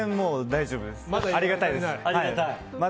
大丈夫です。